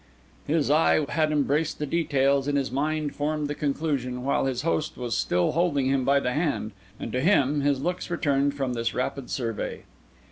His eye had embraced the details, and his mind formed the conclusion, while his host was still holding him by the hand; and to him his looks returned from this rapid survey.